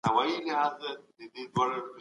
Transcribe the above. دې هېواد ډېري سياسي او فکري جګړې تېري کړې.